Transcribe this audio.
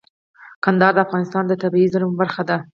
کندهار د افغانستان د طبیعي زیرمو برخه ده.